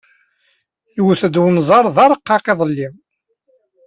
Iwet-d unẓar d arqaq iḍelli.